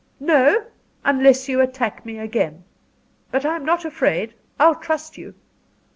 "No; unless you attack me again. But I am not afraid I'll trust you.